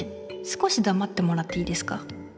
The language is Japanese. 少しだまってもらっていいですか？